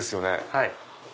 はい。